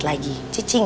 sasi tau sih